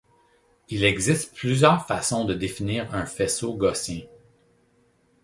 Il existe plusieurs façons de définir un faisceau gaussien.